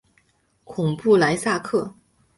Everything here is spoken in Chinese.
孔布莱萨克。